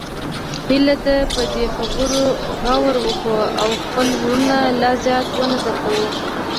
هیله ده په دې خبرو غور وکړو او خپل وروڼه لا زیات ونه دردوو